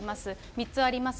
３つあります。